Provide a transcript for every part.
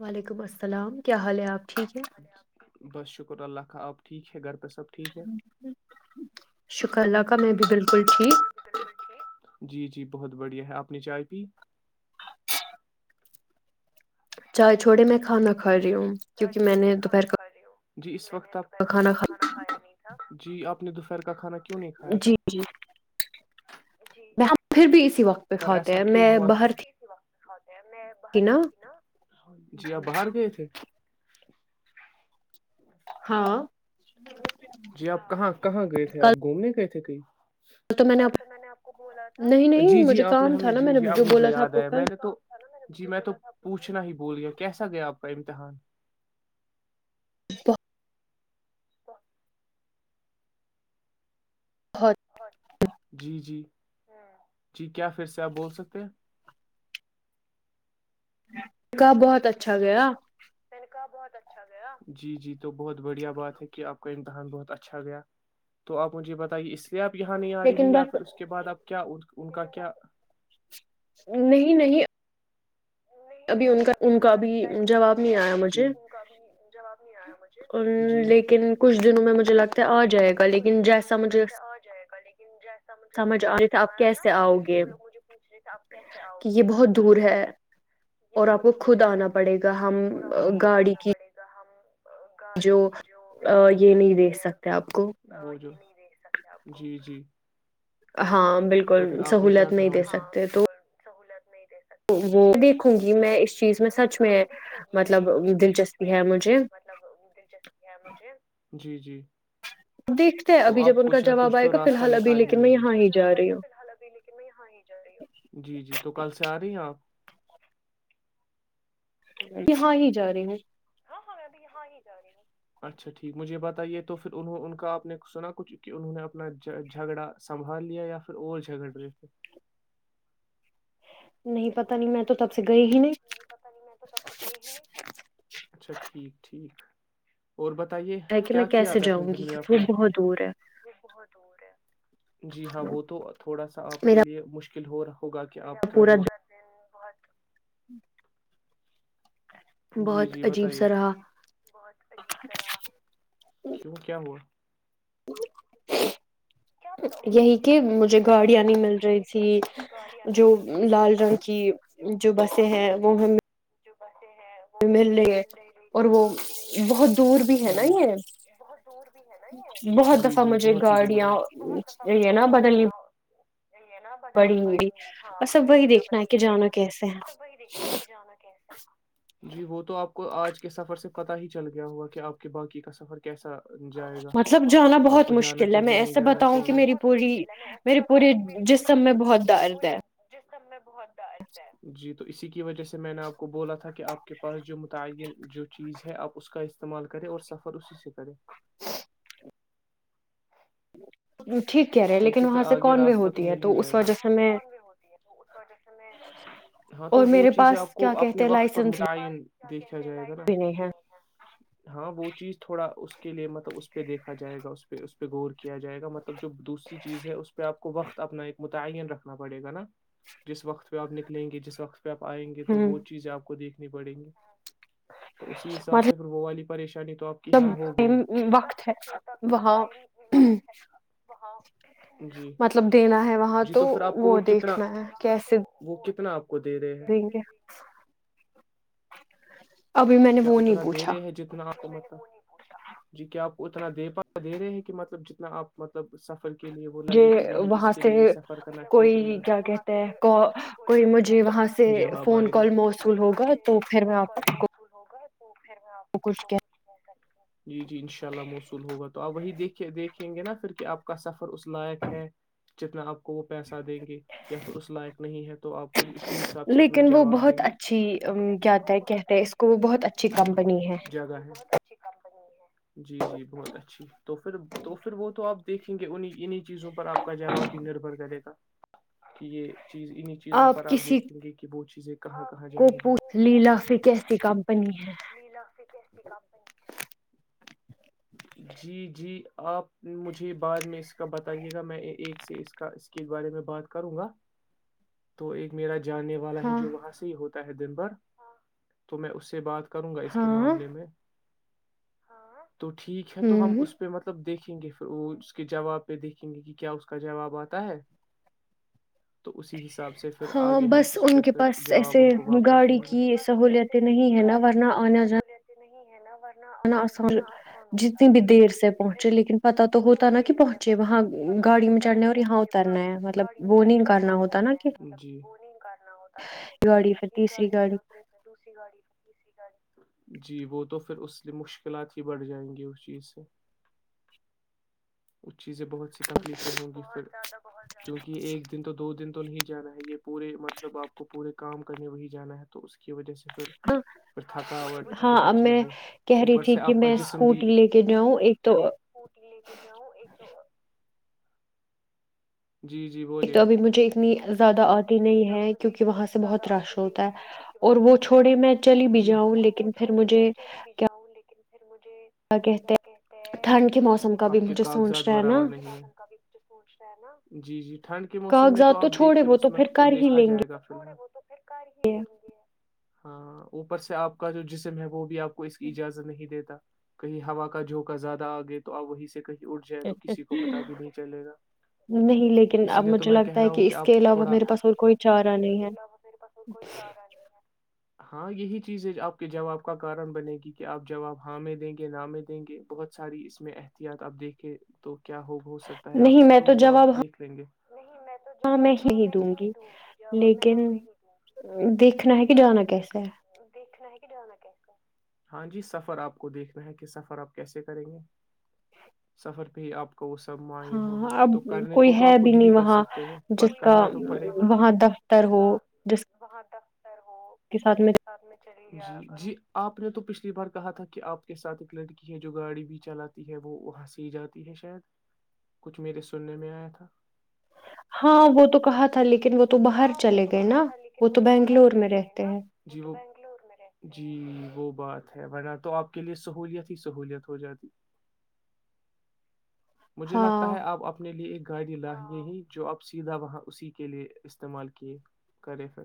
وعلیکم السلام کیا حال ہے آپ ٹھیک ہیں؟ اللہ خا آپ ٹیک ہے گھر پہ سب ٹھیک ہے شک اللہ شکر اللہ کا م بھی بالکل ٹھیک جی جی بہت بڑھیا ہے آپ نے چائے پی چائے چھوڑے میں کھانا کھا رہی ہوں چاہ چھوڑی میں کھانا کھا رہی ہوں جی اس وقت کھانا کھا جی اپنے سر کا کھانا کیوں نہیں کھایا تھا میں ہم پھر بھی اسی وقت پہ کھوے ہیں میں باہر تھی باہر تھی نا جی آپ باہر گئے تھے [inaudible] بش ج جی آپ کہاں کہاں گئے تھے آپ گھومنے گ ھیک ہی کل تو میں نے آپ کو بولا تھا جی جی آپ نے ہمیں جی جی اب مجھے یاد آیا میں نے تو جی میں تو پوچھنا ہی بول گیا کیسا گیا آپ اور امتحان [inaudible] [inaudible] جی کیا پھر سے آپ بول سکتے ہیں کہ بہت اچھا گیا ا بہت اچھا گیا جی جی تو بہت بڑھیا بات ہے کہ آپ کا امتحان بہت اچھا گیا تو آپ مجھے بتائیے اس آپ یہاں نہیں آ رہی ہے یا پھر اس کے بع آپ کیا اٹ ان کا کیا نہیں نہیں ابھی ان کا رائی نہیں آیا ہے ان کا بھی جواب نہیں آیا مجھے ج لیکن کچھ دنوں میں مجھے لگتا آ جائے گا لیکن جیسا مج سمجھ آیا نا وہ لوگ مجھے پوچھ رہے تھ آپ کیسے آؤ گے اور آپ کو خود آنا پڑے گا ہم گاڑی کی گاڑی کی جو کیا کہتے ہیں دیکھ سکتےپ جی جی ہاں بالکل سہولت نہیں دے سکتے تو کہاں میں دیکھوں گی میں اس چیز میں سچ میں مطلب دلچسپی ہے مجھے جی جی تو آپ کچھ نہ کچھ تو راستہ نکال گ جواب آئے گا فی الحال ابھی لیکن میں یہاں ہی جا رہی ہوں جی جی تو کل سے آ رہی ہیں آپ یہاں ہی جا رہے ہ جا رہی ہوں اچھا ٹھیک مجھے بت یہ تو پھر انوں ان کا آپ نے سنا کچھ کہ انہوں نے اپنا جھگڑا سنبھال لیا یا پھر اور جھگڑ رہے تھے نہیں پتا نہیں میں تو تب سے گئی ہی نہیں نہیں پ نہیں تو گئے ہی اچھا ٹیک ٹیک اور بتائیے کیا کیا آجنے دن میں آپ نے بت جی ہاں وہ تو تھوڑا سا آپ کے لیے مشکل مشکل ہوا ہوگا کہ آپ کا جو [inaudible] جی جی بتائیے بت عجیب سا رہا کیوں کیا ہوا [inaudible] یہی کہ مجھے گاڑیا نہیں مل رہی تھی جو لال رنگ کی جو بسیں ہیں وہ ہم مل ل اور وہ بہت دور بھی ہے نا یہ بہت دفعہ مجھے گاڑیاں یہ نا بدلنی یہ یہ نہ بدلنی پڑی ہاں مجھے دوریاں بدلنی پڑی ب سب وہی دیکھنا ہے کہ جانا کیسے ہے جی وہ تو آپ کو آج کے سفر سے پتہ ہی چل گیا ہوا کہ آپ کے باقی کا سفر کیسا مطلب جانا بہت مشکل ہے میں ایسے بتاؤں کہ میری پوری میرے پورے جسم میں بہت درد ہے جی تو اسی کی وجہ سے میں نے آپ کو بولا تھا کہ آپ کے پاس جو متعین جو چیز ہے آپ اس کا استعمال کریں اور سفر اسی سے کریں [inaudible] ٹھیک کہہ رہے لیکن وہاں سے کون وے ہوتی ہے تو اس وجہ سے میں اور میرے پاس کیا کہتے لائسنس بھی دیکھ ا جائے گا نا ہاں وہ چیز تھوڑا اس کے لیے مطلب اس پہ دیکھا جائے گ اس پہ اس پہ غور کیا جائےا مطلب جو دوسر متعین رکھنا پڑے گا نا جس وقت پہ آپ نکلیں گے جس وقت آپ آئیں گے تو وہ چیزیں آ کو دیکھ نہیں پڑیں گی مطلب وقت ہے وہاں مطلب دینا ہے وہاں تو وہ دیکھنا ہے کیسے کتنا آپ دیں کے کیا اتنا دیر ہے جتنا آپ کو مطلب جی کیا آپ اتنا دے دے رہے ہیں کہ مطلب جتنا آپ مطلب سف جی وہاں سے کوئی کیا کہتے ہے کوئی مجھے وہاں سے فون کال موصول ہوگا تو پھر میں آپ جی جی انشاء اللہ موصول ہوگا تو آپ وہی دیک دیکھیں گے نا کہ آپ کا سفر اس لائق ہے جتنا آپ کو وہ پیسہ دیں گے یا پھر اس لائق نہیں ہے تو آپ اسی حساب سے اپنا جواب دیں گے لیکن وہ بہت اچھی بہت اچھی کمپنی ہے جی جی بہت اچھی تو پھر تو پھر وہ تو آپ دیکھیں گے انیں انہیں چیزوں پر آ کا جواب بھی نربھر کرے گا کہ یہ چیز انہیں چیزوں پر آپ دیکھیں گے کہ وہ چیز کوپو لیلا پھر کیسی کامنی جی جی آپ مجھے بعد میں اس کا بتائیے گا میں ایک سے اس کا اس کے بارے میں بات کروں گا تو ایک میرا جانے والا ہے جو وہاں سے ہی ہوتا دن بھر تو میں اس سے بات کروں گا اس کے معاملے میں ہاں تو ٹھیک ہے تو ہم اس پہ مطلب دیکھیں یں گے پھر وہ اس کے جواب پہ دیکھیں گے کہ کیا اس کا جواب آتا ہے تو اسی حساب سے پھر آگے ہم اس پہ پھر جواب ان کو واپس دیں گے ہے نہ ورنہ آنا جان [inaudible] نا آنا جانا آسان ہوتا کیکہ پھر جتنی بھی دیر سے پہنچے لیکن پتا تو ہوتا نا کہ پہنچے وہاں گاڑی نہیں چڑھنا ہے اور یہاں اترنا ہے وہ نہیں کرنا ہوتا نا کہ ایک گاڑی سے اتر دوسری گاڑی جی وہ تو پھر اس لیے مشکلات ہی بڑھ جائیں گی اس چیز سے وہ چیزیں بہت تکلیفیں ہوں گی پھر کیونکہ ایک دن تو دو دن تو نہیں جانا ہے یہ پورے مطلب آپ کو پورے کام کرنے وہی جانا ہے تو اس کی وجہ سے ہاں ہاں میں کہہ رہی تھی کہ میں اسکوٹی لے کے جاؤں ایک تو ایک تو جی جی بولیے زیادہ نہیں ہے کیونکہ وہاں سے بہت رش ہوتا ہے اور وہ چھوڑے میں چل بھی جاؤں لیکن پھر مجھے کیا کیا کہتے ہیں اپ کے کاغذات برابر نہیں ہیں نا جی جی ٹھنڈ کے موسم میں تو اپ دیکھیں اس میں تو دیکھا جائے گا پھر وہ تو پھر کر ہی لیں گے ہاں اوپر سے آپ کا جو جسم ہے وہ بھی آپ کو اس کی اجازت نہیں دیتا کہیں ہوا کا جھوکا زیادہ آگے تو آپ وہیں سے کہیں اٹھ جائے تو کسی کو پتا بھی نہیں چلے گا اسی لیے تو میں کہہ رہا ہوں کہ آپ تھوڑا اور کوئی چارا نہیں ہے ہاں یہی چیزیں آپ کے جواب کا کارن بنے گی کہ آپ جواب ہاں میں دیں گے نام میں دیں گے بہت ساری اس میں احتیاط آپ دیکھیں تو کیا ہو ہو سکتا ہے آپ سے تو وہ آپ دیکھ لیں گے نہیں میں تو جواب ہاں میں ہی دوں گی جاب میں ہاں میں ہی دوں گی لیکن دیکھنا ہے کہ جانا کیسا ہاں جی سفر آپ کو دیکھنا ہے کہ سفر آپ کیسے کریں گے سفر پہ ہی آپ کو وہ سب معائن ہوگا تو کرنے کو تو آپ کچھ بھی کر سکتے ہیں پت کرنا وہاں دفتر ہو جس ہو جس کے ساتھ میں چلی گیا جی آپ آپ نے تو پچھلی بار کہا تھا کہ آپ کے سھ ایک لڑکی ہے جو گاڑی بھی چلاتی ہے وہ وہاں سے ہی جاتی ہے شاید کچھ میرے سننے میں آیا تھا ہاں وہ تو کہا تھاال وہ تو باہر چلے گئے نا وہ تو بنگلور میں رہتے ہیں جی وہ بات ہے ورنہ تو آپ کے لیے سہولیت ہی سہوولت ہو جاتی مجھے لگتا ہے آپ اپنے لیے ایک گاڑ د ل ہے یہی جو آپ سیدھا وہاں اسی کے لئے استعمال کیے کریں پھر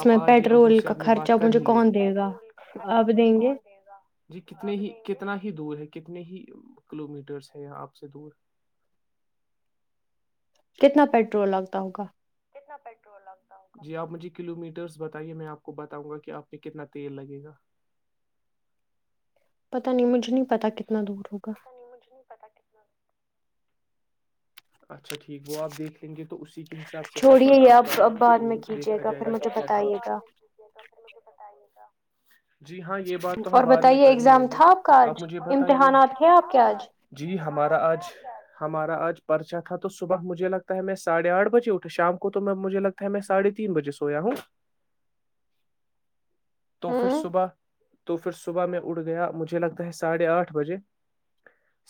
آپ آج ابو سے اپنی بات کر ہی لے پٹرول کا خرچہ مجھے کون دے گا جی کتنے ہی کتنا دور ہے کتنے ہی کلو میٹر ڈرس ہے یا آپ سے دور کتنا پیٹرول لگتا ہوگا تنا پٹرول لگتا جی آپ مجھے کلو میٹرس بتائیے میں آپ کو بتاؤں گا کہ آپ میں کتنا تیل لگے گا پتا نہیں مجھے نہیں پت کتنا دور ہوگا [inaudible] اچھا ٹھیک وہ آپ دیکھیں گے تو اسی کے حساب سے سفر آپ کا وہ دیکھا جائے گا کہ کیاے گ جی ہاں یہ بات تو ہم بعد میں کر ہی لیں گے آپ مجھے بتائیے جی ہمارا آج ہمارا آج پرچا تھا تو صبح مجھے لگتا ہے میں ساھے آٹھ بجے اٹھے شام کو تو میں مجھے لگتا ہے میں سڑھے تین بجے سویا ہوں تو پھر صبح تو پھر صبح میں اٹھ گیا مجھے لگتا ہے ساڑھے آٹھ بجے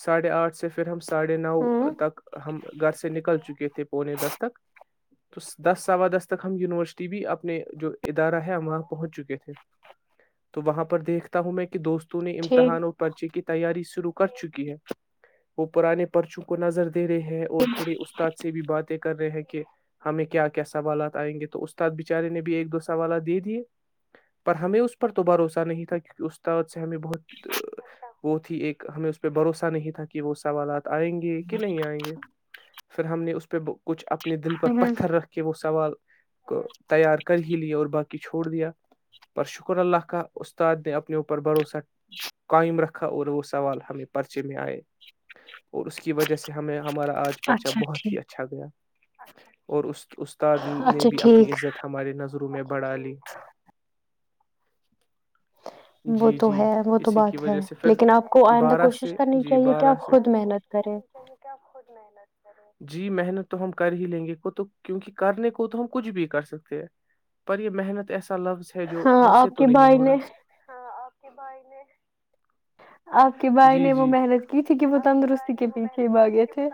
ساڑھے آٹھ سے پھر ہم س ساڑھے نو تک ہم گھر سے نکل چکے تھے پونے دس تک تو دس سوا دس تک ہم یونیورسٹی بھی اپنے جو ادارہ ہے ہم وہاں پہنچ چکے تھے ہوں میں کہ دوست نے امتحان اور پرچے کی تیاری شروع کر چکی ہے وہ پرانے پرچوں کو نظر دے رہے ہیں اور تھوڑے استاد سے بھی باتیں کر رہے ہیں کہ کہ ہمیں کیا کیا سوالات آئیں گے تو استاد بیچارے نے بھی ایک دو سوالات دے دیے پر ہمیں اس پر تو بھروسہ نہیں تھا کیونکہ استات سے ہمیں بہت وہ تھی ایک ہمیں اس پہ بھروسہ نہیں تھا کہ وہ سوالات آئیں گے کہ نہیں آئیں گے پھر ہم نے اس پہ کچھ اپ اپنے دل پر پتھر رکھ کے وہ سوال کو تیار کر ہی لیا اور باقی چھوڑ دیا پر شکر اللہ کا استاد نے اپنے اوپر بھروسہ قائم رکھا اور وہ سوال ہمیں پرچے میں آئے اور اس کی وجہ سے ہمیں ہمارا آج پرچا بہت ہی اچھا گیا اور اس استاد نے بھی اپنی عزت ہمارے نظ میں بڑالی وہ تو ہے وہ تو بات ہے لیکن آپ کو آئندہ کوشش کرنی چاہیے کہ آپ خود محنت کریں جی محنت تو ہم کر ہی لیں گے کو تو کیونکہ کرنے کو تو ہم کچھ بھی کر سکتے ہیں پر یہ محنت ایسا سلم [inaudible] جو ہم سے تو نہیں ہو رہا بائی نے آپ کے بھائی نے وہ محنت کی تھی کہ وہ تندرستی کے پیچھے بھاگے تھے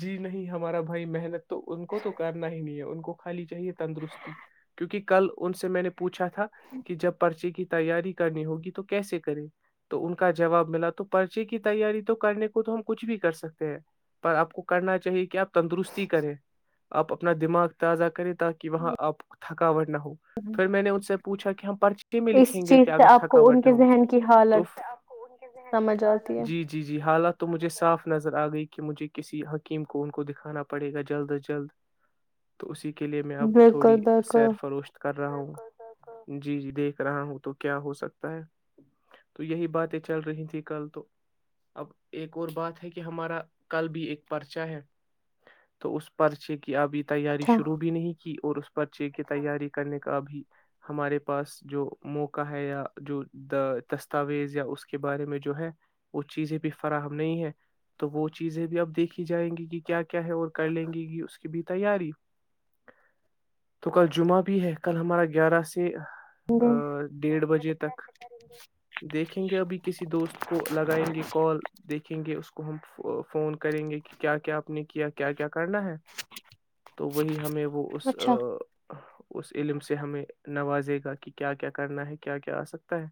جی نہیں ہمارا بھائی محنت تو ان کو تو کرنا ہی نہیں ہے ان کو خالی چاہیے تندرستی کیونکہ کل ان سے میں نے پوچھا تھا کہ جب پرچی کی تیاری کرنی ہوگی تو کیسے کرے تو ان کا جواب ملا تو پرچے کی تیاری تو کرنے کو تو ہم کچھ بھی کر سکتے ہیں پر آپ کو کرنا چاہیے کہ آپ تندرستی کریں آپ اپنا دماغ تازہ کریں کہ وہاں آپ تھکاوٹ نہ ہو پھر میں نے سے پوھا کہ ہم پرچے میں لکھیں گے کہ اگر تھکاوٹ نہ ہو تو جی جی جی حالت مجھے صاف نظر آ گئی کہ مجھے کسی حکیم کو ان کو دکھانا پڑے گا جلد از جلد تو اسی کے لیے میں اب تھوڑی سیر فروشت کا رہا ہوں جی جی دیکھ رہا ہوں تو کیا ہو سکتا ہے تو یہی باتیں چل رہی تھی کل تو اب ایک اور بات ہے کہ ہمارا کل بھی ایک پرچا ہے تو اس پرچے کی ابھی تیاری شروع بھی نہیں کی اور اس میں پرچے کی تیاری کرنے کا بھی ہمارے پاس جو موقع ہے یا جو دستاویز یا اس کے بارے میں جو ہے وہ چیزیں بھی فراہم نہیں ہے تو وہ چیزیں بھی اب دیکھی جائیں گی کہ کیا کیا ہے اور کر لیں گے گ اس کی بھی تیاری تو کل جمعہ بھی ہے کل ہمارا گیارہ سے ڈھ بجے تک دیکھیں گے ابھی کسی دوست کو لگائیں گے کال دیکھیں گے اس کو ہم فون کریں گے کہ کیا کیا آپ نے کیا کیا کیا کرنا ہے تو وہی ہمیں وہ اس اچھا اس علم سے ہمیں نوازے گا کہ کیا کیا کرنا ہے کیا کیا آ سکتا ہے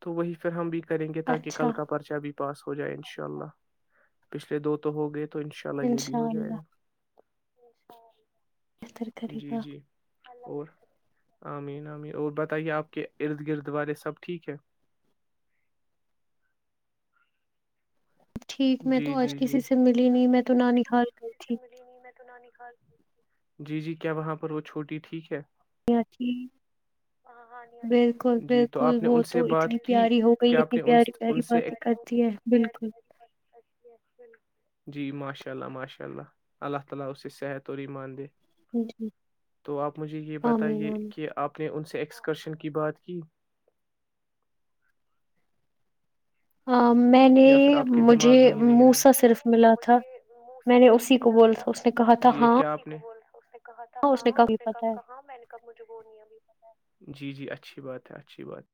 تو وہی پھر ہم بھی کریں گے تاکہ کل کا پرچہ بھی پاس ہو جائے ان شاء اللہ پچھلے دو تو ہو گئے تو تو ان شاء اللہ یہ بھی ہو جائے گا اشا جی جی اور امین امین اور بتائیے آپ کے ارد گرد والارے سب ٹھیک ہے ٹھیک میں تو آج کسی سے ملی نہیں میں تو نہ نکھال گئی تھی جی جی کیا وہاں پر وہ چھوٹی ٹھیک ہے بالکل بالکل وہ تو اتنی پیاری ہو گئی اتنی پیاری پیاری باتیں کرتی ہیں بالکل جی ماشاء اللہ ماشاء اللہ اللہ تعالی اس سے صحت اور ایمان دے تو آپ مجھے یہ بتائیے کہ آپ نے ان سے ایک ایکسکرشن کی بات کی میں نے مجھے موسا صرف ملا تھا میں نے اسی کو بولا تھا اس نے کہا تھا ہاں کہا تھا ہاں اس نے کہب کہاں میں نے کب مجھے وہنیا بھی پتا جی جی اچھی بات ہے اچھی بات